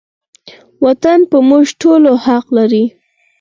وطن په موږ ټولو حق لري